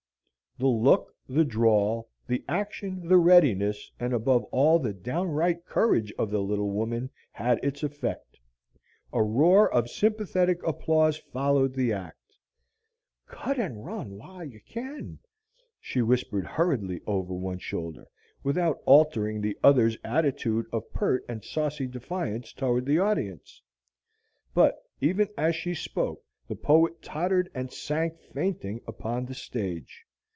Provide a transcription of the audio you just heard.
The look, the drawl, the action, the readiness, and above all the downright courage of the little woman, had its effect. A roar of sympathetic applause followed the act. "Cut and run while you can," she whispered hurriedly over her one shoulder, without altering the other's attitude of pert and saucy defiance toward the audience. But even as she spoke the poet tottered and sank fainting upon the stage.